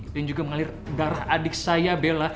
dan juga mengalir darah adik saya bella